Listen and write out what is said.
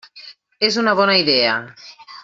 És una bona idea.